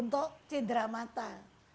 untuk cindera mata